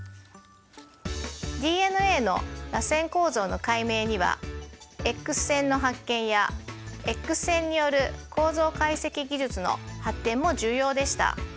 ＤＮＡのらせん構造の解明にはＸ線の発見やＸ線による構造解析技術の発展も重要でした。